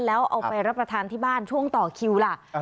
แล้วเอาไปรับประทานที่บ้านช่วงต่อคิวล่ะ